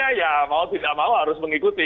ya mau tidak mau harus mengikuti